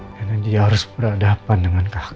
karena dia harus berhadapan dengan kakak